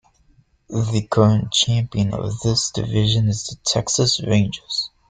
The current champion of this division is the Texas Rangers.